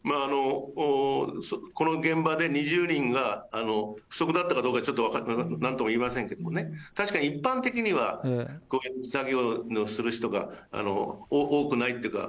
この現場で２０人が、不足だったかどうかちょっとなんとも言えませんけれどもね、確かに一般的には、こういう作業をする人が多くないっていうか、